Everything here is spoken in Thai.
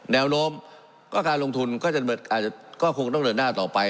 แนวโน้มก็การลงทุนก็อาจจะคงต้องเดินหน้าต่อไป